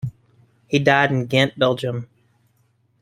He died in Ghent, Belgium.